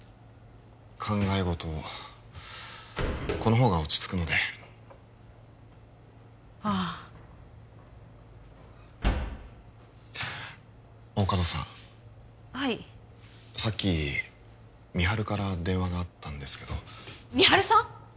考え事をこのほうが落ち着くのでああ大加戸さんはいさっき美晴から電話があったんですけど美晴さん！？